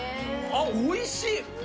おいしい。